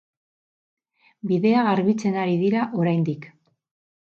Bidea garbitzen ari dira oraindik.